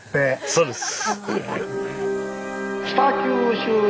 そうです！